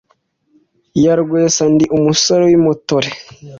Iyarwesa ndi umusore w'impotore